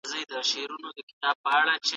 يا به قرضونه کوي او دغه عرفونه به پر ځای کوي